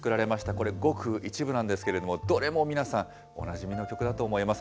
これ、ごく一部なんですけれども、どれも皆さん、おなじみの曲だと思います。